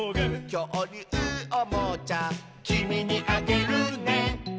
「きょうりゅうおもちゃ」「きみにあげるね」